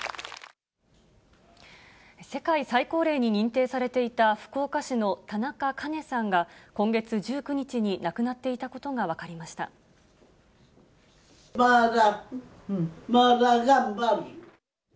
世界最高齢に認定されていた福岡市の田中カ子さんが今月１９日に亡くなっていたことが分かりまだまだ頑張る。